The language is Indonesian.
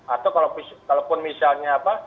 atau kalau misalnya apa